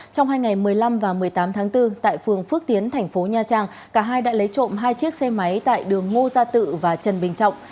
trong hai ngày một mươi năm và một mươi tám tháng bốn tại phường phước tiến thành phố nha trang cả hai đã lấy trộm hai chiếc xe máy tại đường ngô gia tự và trần bình trọng